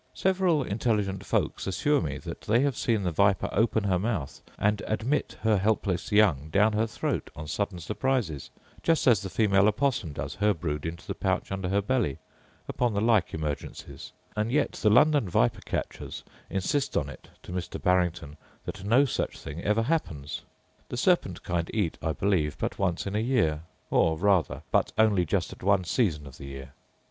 Several intelligent folks assure me that they have seen the viper open her mouth and admit her helpless young down her throat on sudden surprises, just as the female opossum does her brood into the pouch under her belly, upon the like emergencies and yet the London viper catchers insist on it, to Mr. Barrington, that no such thing ever happens. The serpent kind eat, I believe, but once in a year; or rather, but only just at one season of the year.